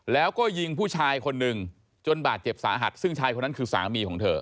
แล้วก็ยิงผู้ชายคนหนึ่งจนบาดเจ็บสาหัสซึ่งชายคนนั้นคือสามีของเธอ